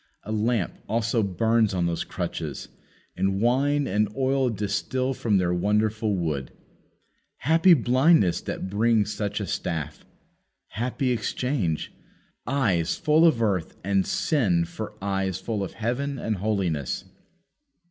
A lamp also burns on those crutches; and wine and oil distil from their wonderful wood. Happy blindness that brings such a staff! Happy exchange! eyes full of earth and sin for eyes full of heaven and holiness!